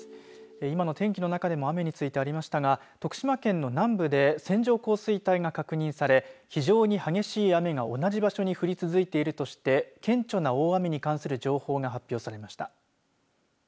今の天気の中でも雨についてありましたが徳島県の南部で線状降水帯が確認され非常に激しい雨が同じ場所に降り続いているとして顕著な大雨に関する情報が発表されました。